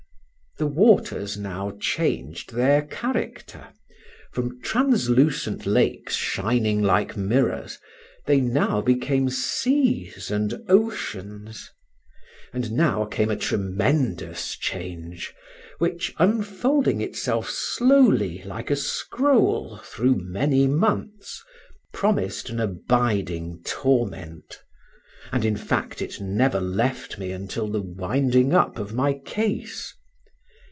The waters now changed their character—from translucent lakes shining like mirrors they now became seas and oceans. And now came a tremendous change, which, unfolding itself slowly like a scroll through many months, promised an abiding torment; and in fact it never left me until the winding up of my case.